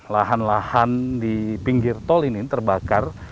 lahan lahan di pinggir tol ini terbakar